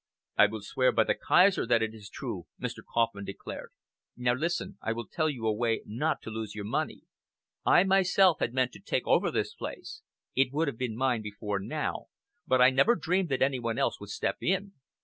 "I will swear by the Kaiser that it is true," Mr. Kauffman declared. "Now, listen. I will tell you a way not to lose your money. I myself had meant to take over this place. It would have been mine before now, but I never dreamed that any one else would step in.